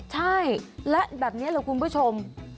ใช่และแบบนี้แหละคุณผู้ชม